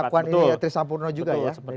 seperti pengakuan ini trisampurno juga ya